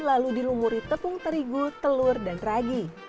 lalu diaduk dengan telur dan ragi